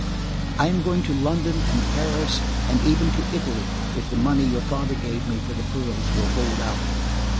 I am going to London and Paris, and even to Italy, if the money your father gave me for the pearls will hold out.